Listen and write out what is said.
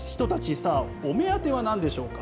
さあ、お目当てはなんでしょうか。